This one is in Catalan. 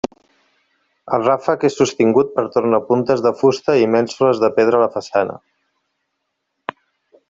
El ràfec és sostingut per tornapuntes de fusta i mènsules de pedra a la façana.